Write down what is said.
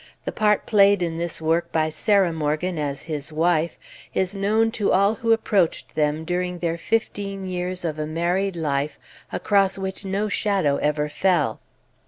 The part played in this work by Sarah Morgan as his wife is known to all who approached them during their fifteen years of a married life across which no shadow ever fell.